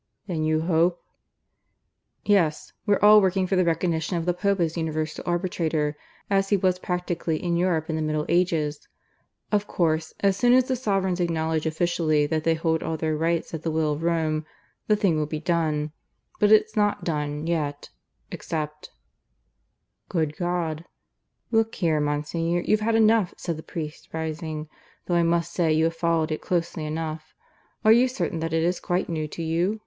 "Then you hope " "Yes. We're all working for the recognition of the Pope as Universal Arbitrator, as he was practically in Europe in the Middle Ages. Of course, as soon as the sovereigns acknowledge officially that they hold all their rights at the will of Rome, the thing will be done. But it's not done yet, except " "Good God!" "Look here, Monsignor, you've had enough," said the priest, rising. "Though I must say you have followed it closely enough. Are you certain that it is quite new to you?